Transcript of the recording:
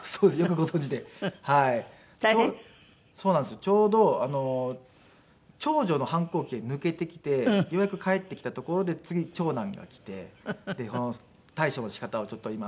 ちょうど長女の反抗期が抜けてきてようやく返ってきたところで次長男がきて対処の仕方をちょっと今。